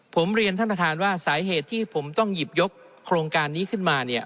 ผมเรียนท่านประธานว่าสาเหตุที่ผมต้องหยิบยกโครงการนี้ขึ้นมาเนี่ย